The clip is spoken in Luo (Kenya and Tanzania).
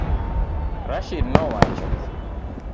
Rashid nowacho